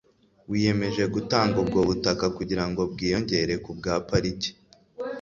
wiyemeje gutanga ubwo butaka kugira ngo bwiyongere ku bwa pariki